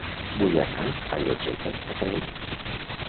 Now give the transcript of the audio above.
Vull anar a Lloseta a peu.